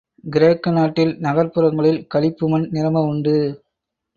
கிரேக்க நாட்டில் நகர்ப் புறங்களில் களிப்பு மண் நிரம்ப உண்டு.